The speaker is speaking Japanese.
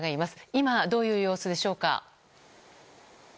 今、どういう様子でしょうか。